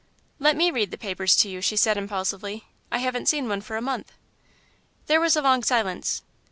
"Let me read the papers to you," she said, impulsively, "I haven't seen one for a month." There was a long silence.